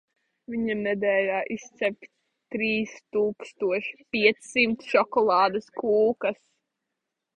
Viņa nedēļā izcep trīs tūkstoš piecsimt šokolādes kūkas.